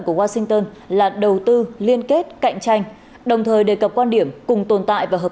của washington là đầu tư liên kết cạnh tranh đồng thời đề cập quan điểm cùng tồn tại và hợp